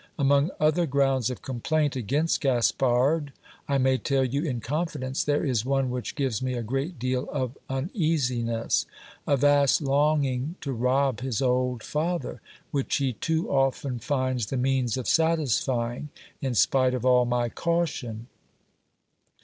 Among other grounds of complaint against Gaspard, I may tell you in confidence, there is one which gives me a great deal of uneasiness ; a vast longing to rob his old father, which he too often finds the means of satisfying, in spite of all my caution.